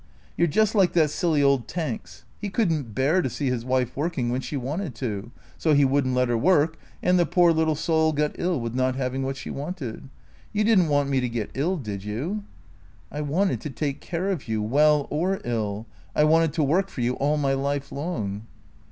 " You 're just like that silly old Tanks. He could n't bear to see his wife working when she wanted to ; so he wouldn't let her work, and the poor little soul got ill with not having what she wanted. You did n't want me to get ill, did you ?"" I wanted to take care of you — well or ill. I wanted to work for you all my life long."